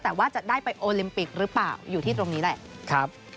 แต่ว่าจะได้ไปโอลิมปิกหรือเปล่าอยู่ที่ตรงนี้แหละ